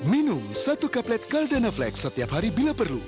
minum satu kaplet caldana flex setiap hari bila perlu